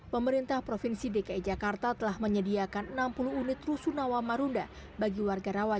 pemerintah provinsi dki jakarta telah menyediakan enam puluh unit rusun awam marunda